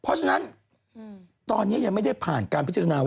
เพราะฉะนั้นตอนนี้ยังไม่ได้ผ่านการพิจารณา